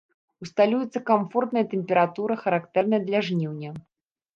Усталюецца камфортная тэмпература, характэрная для жніўня.